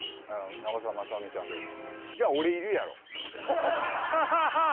「長澤まさみちゃんです」